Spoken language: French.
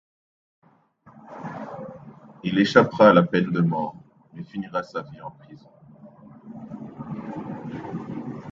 Il échappera à la peine de mort mais finira sa vie en prison.